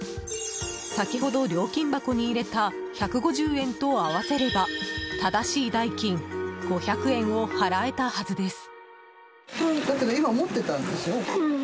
先ほど料金箱に入れた１５０円と合わせれば正しい代金５００円を払えたはずです。